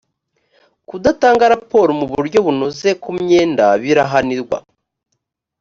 kudatanga raporo mu buryo bunoze ku myenda birahanirwa